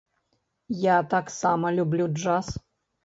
Я таксама люблю джаз.